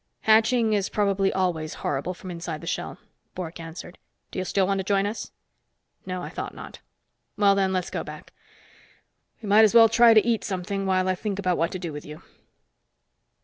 "Hatching is probably always horrible from inside the shell," Bork answered. "Do you still want to join us? No, I thought not. Well, then, let's go back. We might as well try to eat something while I think about what to do with you."